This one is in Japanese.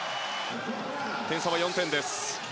点差は４点です。